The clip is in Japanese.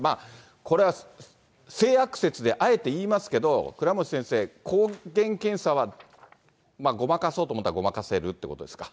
これは、性悪説であえて言いますけど、倉持先生、抗原検査はごまかそうと思ったらごまかせるということですか？